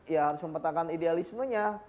ya harus mempertahankan idealismenya